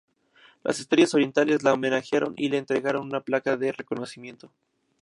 Las Estrellas Orientales la homenajearon y le entregaron una placa de reconocimiento.